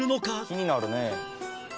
「気になるね」